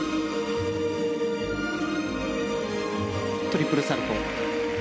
トリプルサルコウ。